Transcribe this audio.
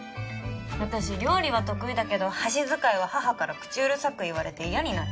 私料理は得意だけど箸使いは母から口うるさく言われて嫌になっちゃって。